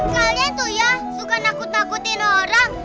kalian tuh ya suka nakut nakutin orang